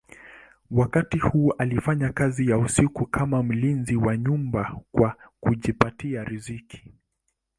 Wakati huu alifanya kazi ya usiku kama mlinzi wa nyumba kwa kujipatia riziki.